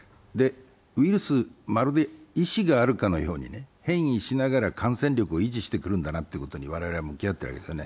ウイルス、まるで意思があるかのように、変異しながら感染力を維持してくるんだなということに我々は向き合っているんですね。